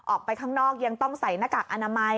ออกไปข้างนอกยังต้องใส่หน้ากากอนามัย